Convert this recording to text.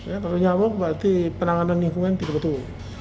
ya kalau nyamuk berarti penanganan lingkungan tidak betul